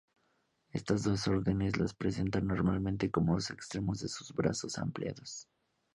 Estas dos órdenes la representan normalmente con los extremos de sus brazos ampliados.